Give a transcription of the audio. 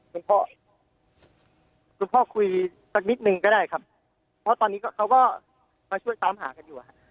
คุณพ่อคุณพ่อคุยสักนิดนึงก็ได้ครับเพราะตอนนี้เขาก็มาช่วยตามหากันอยู่